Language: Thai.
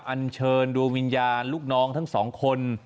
กับอันเชินดวงวิญญาณลูกน้องทั้ง๒คน